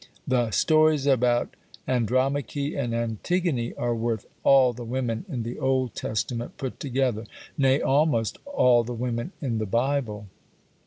The stories about Andromache and Antigone are worth all the women in the Old Testament put together; nay, almost all the women in the Bible.